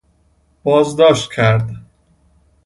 بازداشت کرد